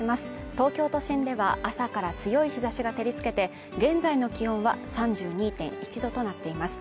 東京都心では朝から強い日差しが照りつけて現在の気温は３２．１度となっています